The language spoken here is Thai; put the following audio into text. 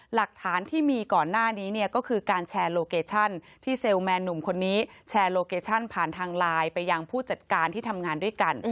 หลักฐานที่มีก่อนหน้านี่เนี่ยก็คือการไลน์ไปยังผู้จัดการที่ทำงานด้วยกัน